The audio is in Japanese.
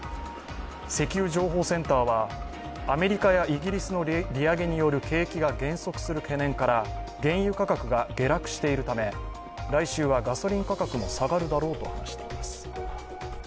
石油情報センターは、アメリカやイギリスの利上げによる景気が減速する懸念から原油価格が下落しているため来週はガソリン価格も下がるだろうと話しています。